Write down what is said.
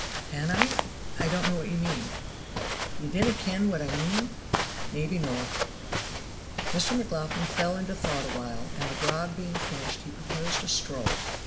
"Can I? I don't know what you mean." "Ye dinna ken what I mean? Maybe no." Mr. McLaughlan fell into thought a while, and the grog being finished he proposed a stroll.